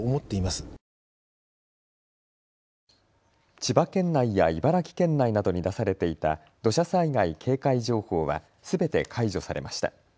千葉県内や茨城県内などに出されていた土砂災害警戒情報はすべて解除されました。